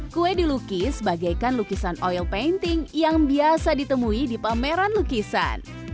kue dilukis bagaikan lukisan oil painting yang biasa ditemui di pameran lukisan